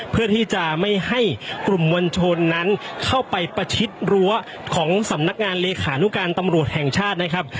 เพื่อที่จะไม่ให้กลุ่มมวลชนนั้นเข้าไปประชิดรั้วของสำนักงานเลขานุการตำรวจแห่งชาตินะครับ